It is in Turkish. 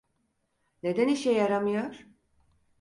Neden işe yaramıyor?